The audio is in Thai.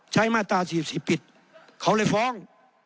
ใช้มาตราสี่สี่ปิดเขาเลยฟ้อง